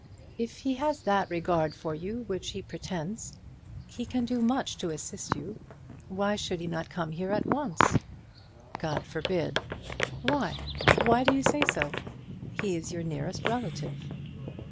"If he has that regard for you which he pretends, he can do much to assist you. Why should he not come here at once?" "God forbid." "Why? Why do you say so? He is your nearest relative."